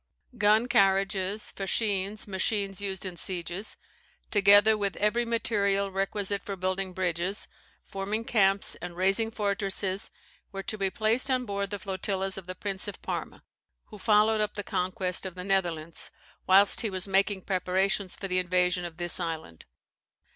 Gun carriages, fascines, machines used in sieges, together with every material requisite for building bridges, forming camps, and raising fortresses, were to be placed on board the flotillas of the Prince of Parma, who followed up the conquest of the Netherlands, whilst he was making preparations for the invasion of this island.